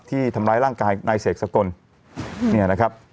ที่ทำร้ายร่างกายนายเสกสกลเนี่ยนะครับ